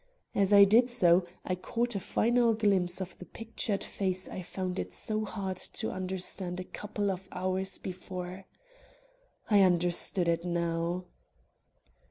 As I did so, I caught a final glimpse of the pictured face I had found it so hard to understand a couple of hours before. I understood it now.